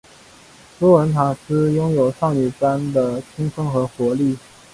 朱文塔斯拥有少女般的青春和活力。